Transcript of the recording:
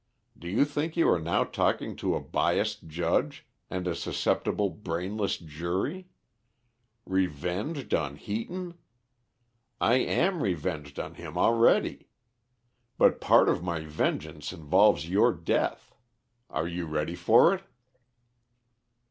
Do you think you are now talking to a biased judge and a susceptible, brainless jury? Revenged on Heaton? I am revenged on him already. But part of my vengeance involves your death. Are you ready for it?"